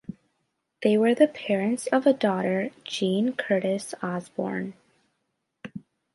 They were the parents of a daughter, Jean Curtis Osborne.